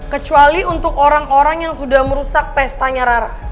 kecuali untuk orang orang yang sudah merusak pestanya rara